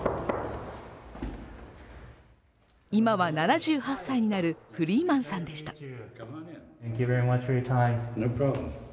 今は７８歳になるフリーマンさんでした。